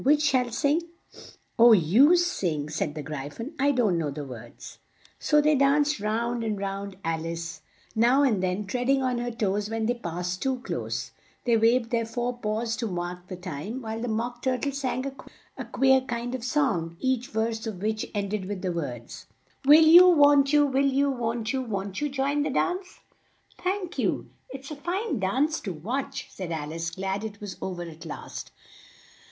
Which shall sing?" "Oh, you sing," said the Gry phon. "I don't know the words." So they danced round and round Al ice, now and then tread ing on her toes when they passed too close. They waved their fore paws to mark the time, while the Mock Tur tle sang a queer kind of song, each verse of which end ed with these words: "'Will you, won't you, will you, won't you, will you join the dance? Will you, won't you, will you, won't you, won't you join the dance?'" "Thank you, it's a fine dance to watch," said Al ice, glad that it was o ver at last.